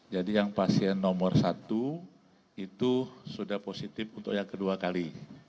jadi yang pasien nomor satu itu sudah positif untuk yang kedua kali